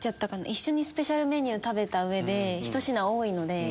一緒にスペシャルメニュー食べた上で１品多いので。